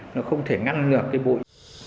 nó không thể ngăn ngược cái bụi